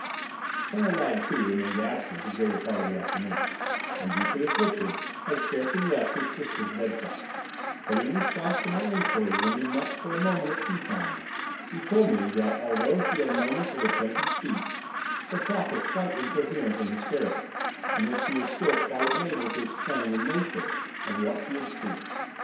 Colonel Wragge, too, remained absent the greater part of the afternoon, and, deeply afflicted, had scarcely left his sister's bedside, but in response to my inquiry when we met for a moment at tea time, he told me that although she had moments of attempted speech, her talk was quite incoherent and hysterical, and she was still quite unable to explain the nature of what she had seen.